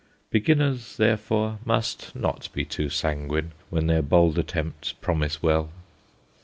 Beginners, therefore, must not be too sanguine when their bold attempts promise well.